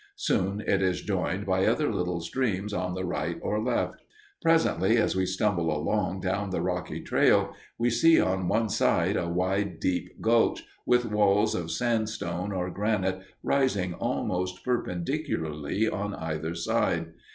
Soon it is joined by other little streams on the right or left. Presently, as we stumble along down the rocky trail, we see on one side a wide, deep gulch, with walls of sandstone or granite rising almost perpendicularly on either side.